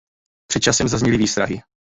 Před časem zazněly výstrahy.